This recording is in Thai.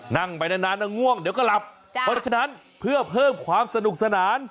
นั่งไปนานง่วงเดี๋ยวก็หลับเพราะฉะนั้นเพื่อเพิ่มความสนุกสนาน